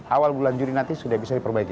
awal bulan juli nanti sudah bisa diperbaiki